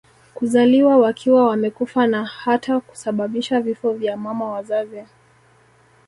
kuzaliwa wakiwa wamekufa na hata kusababisha vifo vya mama wazazi